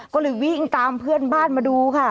ก็เลยวิ่งตามเพื่อนบ้านมาดูค่ะ